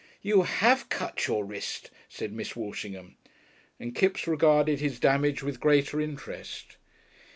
"You have cut your wrist," said Miss Walshingham, and Kipps regarded his damage with greater interest.